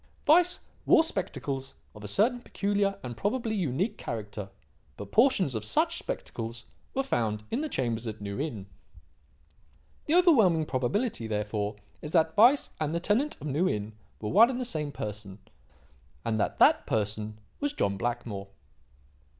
"Weiss wore spectacles of a certain peculiar and probably unique character. But portions of such spectacles were found in the chambers at New Inn. "The overwhelming probability, therefore, is that Weiss and the tenant of New Inn were one and the same person; and that that person was John Blackmore."